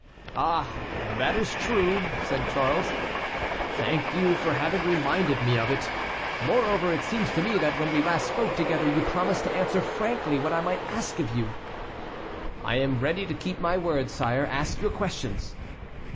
"Ah! that is true," said Charles. "Thank you for having reminded me of it. Moreover, it seems to me that when we last spoke together you promised to answer frankly what I might ask you." "I am ready to keep my word, sire. Ask your questions."